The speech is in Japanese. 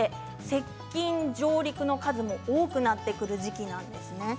接近、上陸の数も多くなってくる時期なんですね。